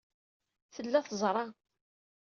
Tella teẓra.